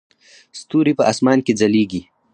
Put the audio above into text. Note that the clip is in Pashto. ستوري په اسمان کې ځلیږي